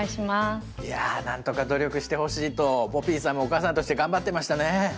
いやあなんとか努力してほしいとポピーさんもお母さんとして頑張ってましたね。